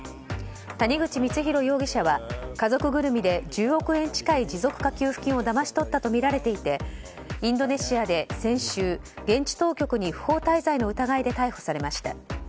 谷口光弘容疑者は家族ぐるみで１０億円近い持続化給付金をだまし取ったとみられていてインドネシアで先週、現地当局に不法滞在の疑いで逮捕されました。